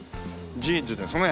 ジーンズですね。